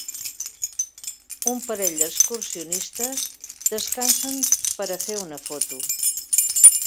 Un parell d'excursionistes descansen per a fer una foto.